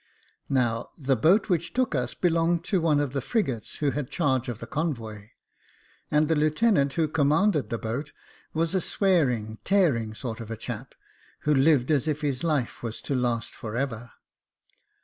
Now, the boat which took us belonged to one of the frigates who had charge of the convoy, and the lieutenant who commanded the boat was a swearing, tearing sort of a chap, who lived as if his life was to last for ever.